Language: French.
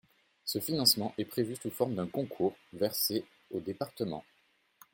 Ce financement est prévu sous forme d’un concours versé aux départements.